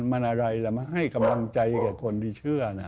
มันอะไรจะมาให้กำลังใจกับคนที่เชื่อนะ